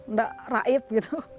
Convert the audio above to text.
nggak raib gitu